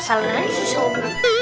salahnya sih sobli